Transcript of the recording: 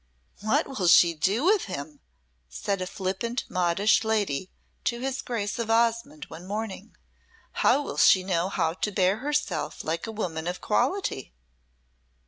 "What will she do with him?" said a flippant modish lady to his Grace of Osmonde one morning. "How will she know how to bear herself like a woman of quality?"